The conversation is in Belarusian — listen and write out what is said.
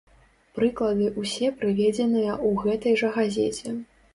Прыклады ўсе прыведзеныя ў гэтай жа газеце.